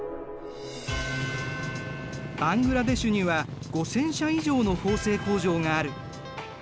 バングラデシュには５，０００社以上の縫製工場がある。